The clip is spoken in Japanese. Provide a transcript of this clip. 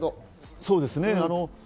そうですね。